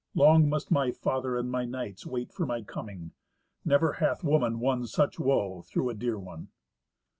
Long must my father and my knights wait for my coming. Never hath woman won such woe through a dear one."